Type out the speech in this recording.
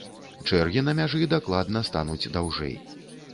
Чэргі на мяжы дакладна стануць даўжэй.